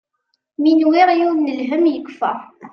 Mi nwiɣ yiwen n lhem yekfa.